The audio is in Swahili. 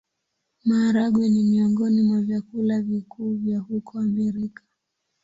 Maharagwe ni miongoni mwa vyakula vikuu vya huko Amerika.